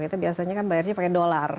itu biasanya kan bayarnya pakai dolar